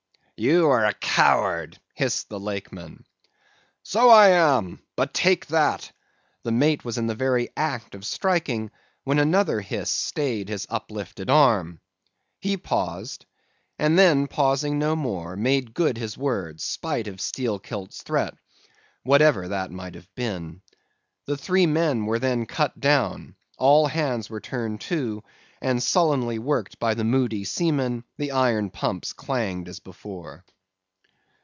"'You are a coward!' hissed the Lakeman. "'So I am, but take that.' The mate was in the very act of striking, when another hiss stayed his uplifted arm. He paused: and then pausing no more, made good his word, spite of Steelkilt's threat, whatever that might have been. The three men were then cut down, all hands were turned to, and, sullenly worked by the moody seamen, the iron pumps clanged as before.